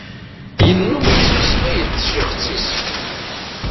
Yennum yettmeslay d tcixet-is.